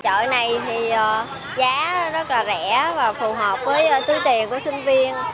chợ này thì giá rất là rẻ và phù hợp với số tiền của sinh viên